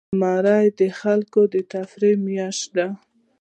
زمری د خلکو د تفریح میاشت ده.